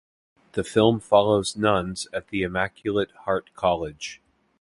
The film follows nuns at the Immaculate Heart College.